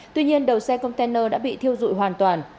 tuy nhiên đầu xe container đã bị thiêu dụi hoàn toàn